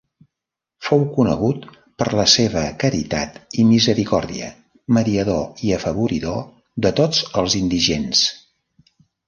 Fou conegut per la seva caritat i misericòrdia, mediador i afavoridor de tots els indigents.